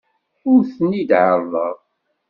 Ur ten-id-ɛerrḍeɣ.